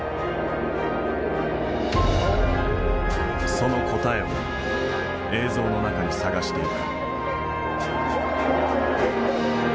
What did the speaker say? その答えを映像の中に探していく。